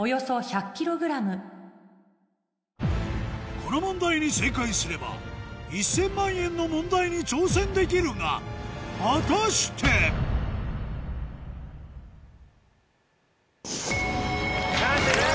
この問題に正解すれば１０００万円の問題に挑戦できるが果たして⁉正解！